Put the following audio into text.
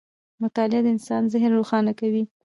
• مطالعه د انسان ذهن روښانه کوي.